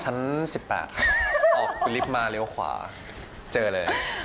ชั้น๑๘ออกลิฟต์มาเลี้ยวขวาเจอเลย